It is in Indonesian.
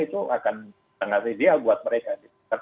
itu akan sangat ideal buat mereka